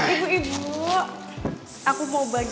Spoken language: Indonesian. ibu ibu aku mau baca